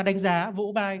đánh giá vũ vai